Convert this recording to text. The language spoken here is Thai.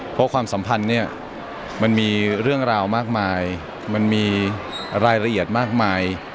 เพราะความสัมพันธ์เนี่ยมันมีเรื่องราวมากมายมันมีรายละเอียดมากมาย